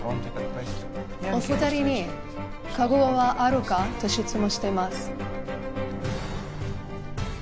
お二人に覚悟はあるかと質問しています。